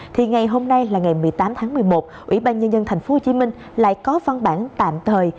thì ngày hôm nay là ngày một mươi tám tháng một mươi một ủy ban nhân dân tp hcm lại có văn bản tạm thời